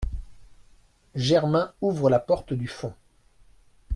Germain ouvre la porte du fond.